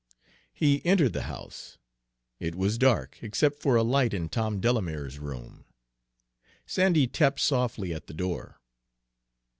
He entered the house. It was dark, except for a light in Tom Delamere's room. Sandy tapped softly at the door.